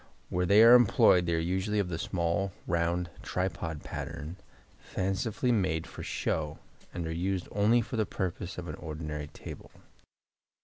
Where they are employed they are usually of the small round tripod pattern, fancifully made for show, and are used only for the purpose of an ordinary table.